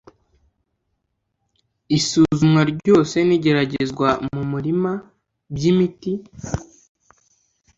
Isuzumwa ryose n igeragezwa mu murima by imiti